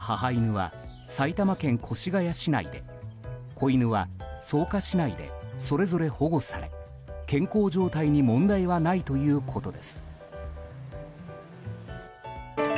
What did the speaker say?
盗まれた母犬は埼玉県越谷市内で子犬は草加市内でそれぞれ保護され健康状態に問題はないということです。